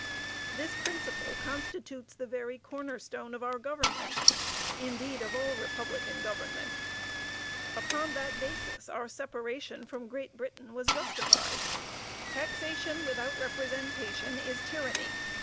This principle constitutes the very corner stone of our government indeed, of all republican government. Upon that basis our separation from Great Britain was justified. "Taxation without representation is tyranny."